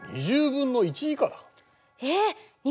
２０分の１以下！